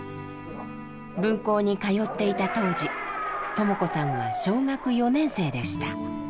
分校に通っていた当時トモ子さんは小学４年生でした。